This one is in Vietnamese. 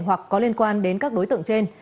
hoặc có liên quan đến các đối tượng trên